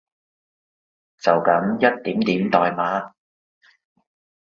就噉一點點代碼